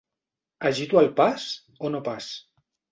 Agito el pas, o no pas?